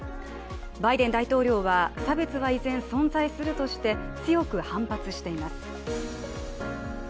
バイデン大統領は差別は依然、存在するとして強く反発しています。